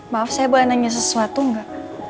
maaf saya boleh nanya sesuatu enggak